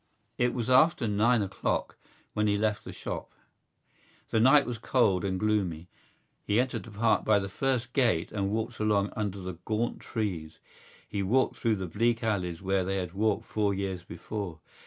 It was after nine o'clock when he left the shop. The night was cold and gloomy. He entered the Park by the first gate and walked along under the gaunt trees. He walked through the bleak alleys where they had walked four years before.